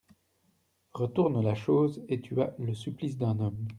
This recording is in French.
Retourne la chose et tu as le supplice d’un homme.